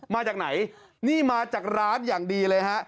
มาจากไหนนี่มาจากร้านอย่างดีเลยฮะ